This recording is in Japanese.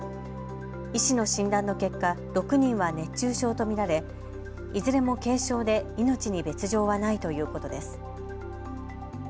医師の診断の結果、６人は熱中症と見られ、いずれも軽症で命に別状はないということです。